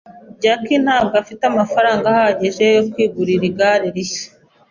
Jack ntabwo afite amafaranga ahagije yo kwigurira igare rishya.